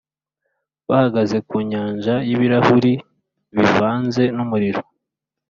bahagaze ku “nyanja y’ibirahuri bivanze n’umuriro,